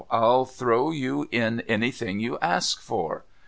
I'll throve you in anything you ask for.